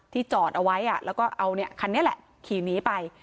จอดเอาไว้แล้วก็เอาคันนี้แหละขี่หนีไป